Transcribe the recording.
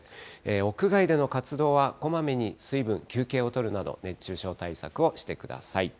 屋外での活動はこまめに水分、休憩をとるなど、熱中症対策をしてください。